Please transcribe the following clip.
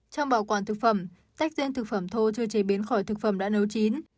trong bảo quản thực phẩm tách riêng thực phẩm thô chưa chế biến khỏi thực phẩm đã nấu chín